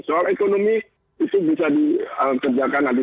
soal ekonomi itu bisa dikerjakan nanti